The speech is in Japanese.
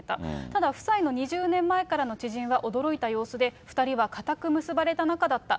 ただ、夫妻の２０年前からの知人は驚いた様子で、２人は固く結ばれた仲だった。